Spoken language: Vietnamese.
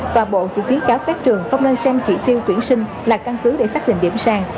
tòa bộ chỉ ký cáo phép trường không nên xem chỉ tiêu tuyển sinh là căn cứ để xác định điểm sàn